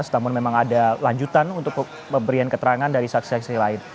namun memang ada lanjutan untuk pemberian keterangan dari saksi saksi lain